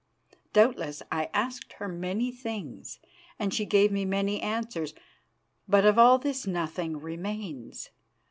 Doubtless, I asked her many things, and she gave me many answers. But of all this nothing remains.